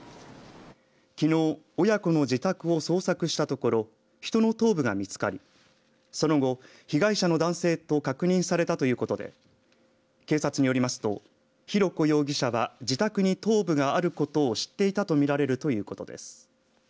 きのう、親子の自宅を捜索したところ人の頭部が見つかりその後、被害者の男性と確認されたということで警察によりますと浩子容疑者は自宅に頭部があることを知っていたと見られるということです。